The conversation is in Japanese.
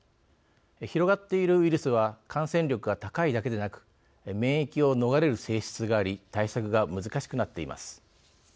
広がっているウイルスは感染力が高いだけでなく免疫を逃れる性質があり対策が難しくなっています。